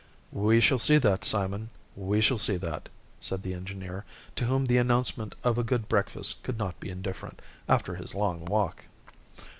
"We shall see that, Simon, we shall see that!" said the engineer, to whom the announcement of a good breakfast could not be indifferent, after his long walk.